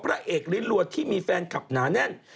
พระเอกลิ้นรัวที่มีแฟนคลับหนาแน่น